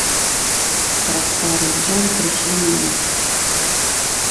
Праз пару дзён прышлі немцы.